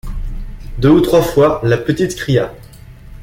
Deux ou trois fois la petite cria.